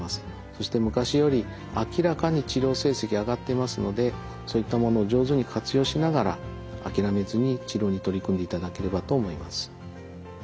そして昔より明らかに治療成績が上がっていますのでそういったものを上手に活用しながら諦めずに治療に取り組んでいただければと思います。